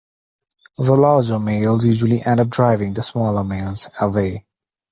The larger males usually end up driving the smaller males away.